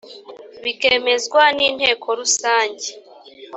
bikemezwa n inteko rusange